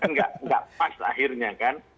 nggak pas akhirnya kan